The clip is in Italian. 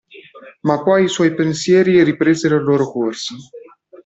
Ma poi i suoi pensieri ripresero il loro corso.